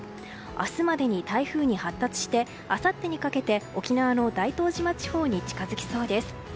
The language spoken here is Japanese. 明日までに台風に発達してあさってにかけて、沖縄の大東島地方に近づきそうです。